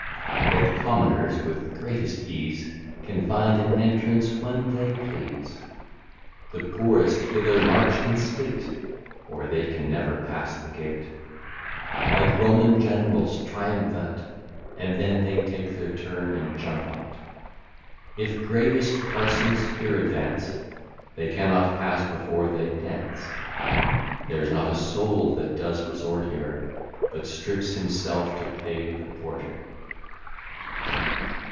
Yet commoners with greatest ease Can find an entrance when they please. The poorest hither march in state (Or they can never pass the gate) Like Roman generals triumphant, And then they take a turn and jump on't, If gravest parsons here advance, They cannot pass before they dance; There's not a soul that does resort here, But strips himself to pay the porter.